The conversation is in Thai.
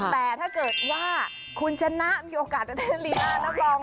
แต่ถ้าเกิดว่าคุณชนะมีโอกาสเต้นกับเลียนลีลาดนะปลอม